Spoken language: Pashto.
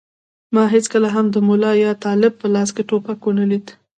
ما هېڅکله هم د ملا یا طالب په لاس ټوپک و نه لید.